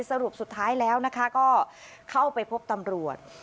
สรุปสุดท้ายแล้วนะคะก็เข้าไปพบตำรวจ